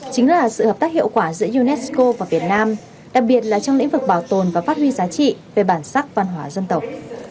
chính là sự hợp tác hiệu quả giữa unesco và việt nam đặc biệt là trong lĩnh vực bảo tồn và phát huy giá trị về bản sắc văn hóa dân tộc